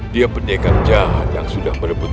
dia pendekat jahat yang sudah merebut